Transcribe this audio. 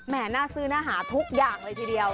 น่าซื้อน่าหาทุกอย่างเลยทีเดียว